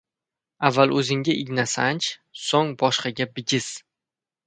• Avval o‘zingga igna sanch, so‘ng boshqaga ― bigiz.